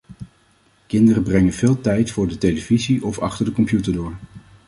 Kinderen brengen veel tijd voor de televisie of de achter de computer door.